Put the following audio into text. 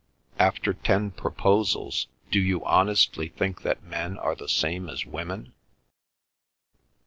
"After ten proposals do you honestly think that men are the same as women?"